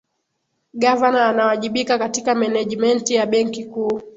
gavana anawajibika katika menejimenti ya benki kuu